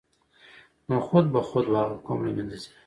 نو خود به خود به هغه قوم له منځه ځي.